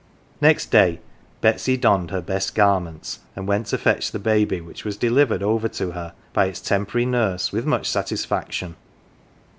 Next day Betsy donned her best garments and went to fetch the baby, which was delivered over to her by its temporary nurse with much satisfaction.